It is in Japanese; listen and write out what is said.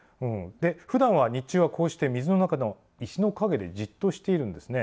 ふだんは日中はこうして水の中の石の陰でじっとしているんですね。